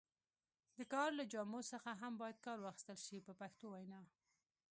د کار له جامو څخه هم باید کار واخیستل شي په پښتو وینا.